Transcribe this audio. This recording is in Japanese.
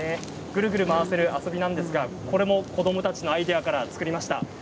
くるくる回せる遊びなんですがこれも子どもたちのアイデアから作りました。